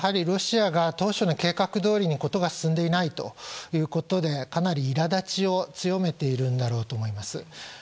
ロシアが当初の計画どおりに事が進んでいないということでかなり苛立ちを強めているんだろうと思います。